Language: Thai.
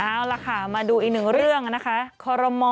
เอาล่ะค่ะมาดูอีกหนึ่งเรื่องนะคะ